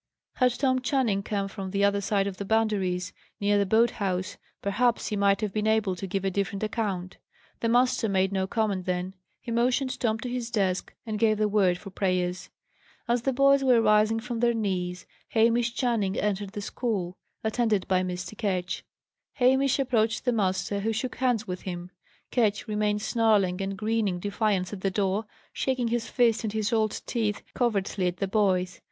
Had Tom Channing come from the other side of the Boundaries, near the boat house, perhaps he might have been able to give a different account. The master made no comment then. He motioned Tom to his desk, and gave the word for prayers. As the boys were rising from their knees, Hamish Channing entered the school, attended by Mr. Ketch. Hamish approached the master, who shook hands with him. Ketch remained snarling and grinning defiance at the door, shaking his fist and his old teeth covertly at the boys.